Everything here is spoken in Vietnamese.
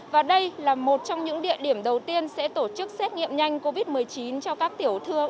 và đây là một trong những địa điểm đầu tiên sẽ tổ chức xét nghiệm nhanh covid một mươi chín cho các tiểu thương